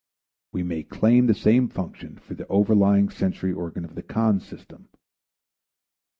We may claim the same function for the overlying sensory organ of the Cons. system.